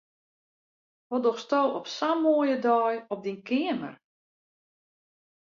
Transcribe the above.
Wat dochsto op sa'n moaie dei op dyn keamer?